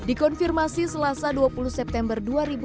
dikonfirmasi selasa dua puluh september dua ribu dua puluh